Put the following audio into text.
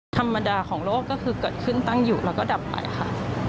ธรรมดาของโลกก็คือเกิดขึ้นตั้งอยู่แล้วก็ดับไปค่ะ